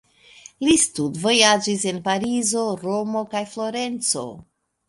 Li studvojaĝis en Parizo, Romo kaj Florenco.